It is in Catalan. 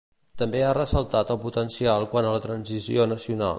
També ha ressaltat el potencial quant a la transició nacional.